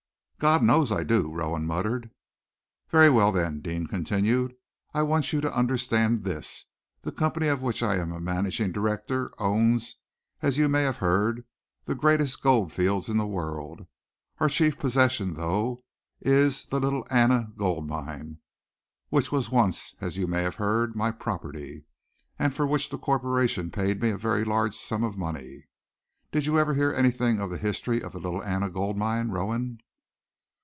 "God knows I do!" Rowan muttered. "Very well, then," Deane continued, "I want you to understand this. The company of which I am managing director owns, as you may have heard, the greatest gold fields in the world. Our chief possession, though, is the Little Anna Gold Mine, which was once, as you may have heard, my property, and for which the corporation paid me a very large sum of money. Did you ever hear anything of the history of the Little Anna Gold Mine, Rowan?"